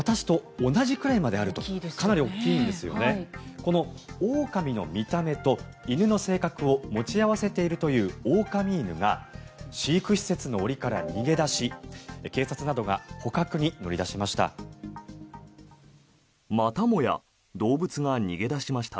このオオカミの見た目と犬の性格を持ち合わせているという狼犬が飼育施設の檻から逃げ出し警察などが捕獲に乗り出しました。